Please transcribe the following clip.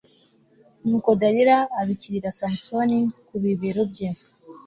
nuko dalila abikirira samusoni ku bibero bye